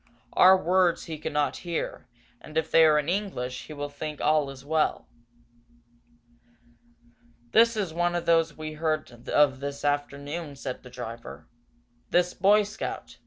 Our words he cannot hear and if they are in English he will think all is well." "This is one of those we heard of this afternoon," said the driver. "This Boy Scout.